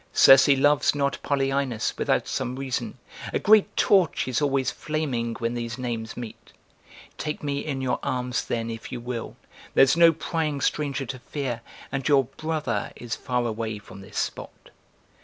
Circe loves not Polyaenos without some reason; a great torch is always flaming when these names meet! Take me in your arms then, if you will; there's no prying stranger to fear, and your 'brother' is far away from this spot!"